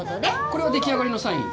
これはでき上がりのサイン？